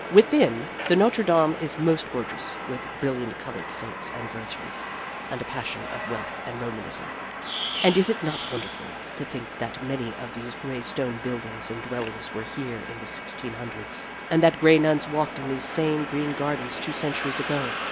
Within, the Notre Dame is most gorgeous with brilliant colored saints and Virgins and a passion of wealth and Romanism. And is it not wonderful to think that many of these gray stone buildings and dwellings were here in the sixteen hundreds, and that gray nuns walked in these same green gardens two centuries ago?